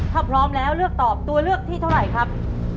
ถ้าพร้อมแล้วเลือกตอบตัวเลือกที่เท่าไหร่ครับ